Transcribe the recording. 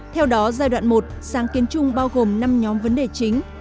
theo đó giai đoạn một sáng kiến chung bao gồm năm nhóm vấn đề chính